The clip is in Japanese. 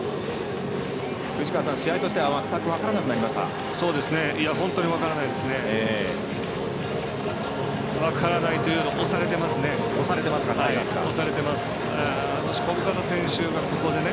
試合としては全く分からなくなりましたね。